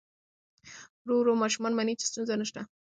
ورو ورو ماشوم مني چې ستونزه نشته.